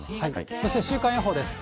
そして週間予報です。